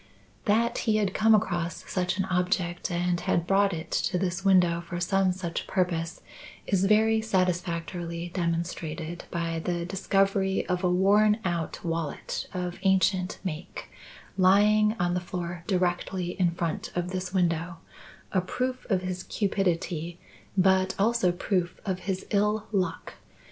That he had come across such an object and had brought it to this window for some such purpose is very satisfactorily demonstrated by the discovery of a worn out wallet of ancient make lying on the floor directly in front of this window a proof of his cupidity but also proof of his ill luck.